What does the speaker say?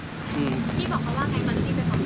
พี่บอกเขาว่ายังไงประมาณนี้เป็นของเขา